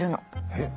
えっ？